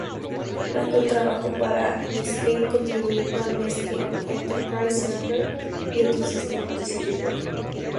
McCool trabajó para Netscape, contribuyendo al Netscape Enterprise Server y otros sistemas de servidor.